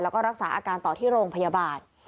แล้วก็รักษาอาการต่อที่โรงพยาบาล